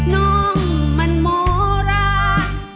น้องมันโมรา